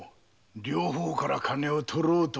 両方から金を取ろうとは。